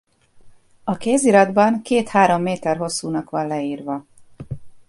A kéziratban két–három méter hosszúnak van leírva.